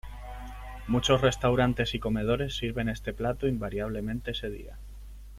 Muchos restaurantes y comedores sirven este plato invariablemente ese día.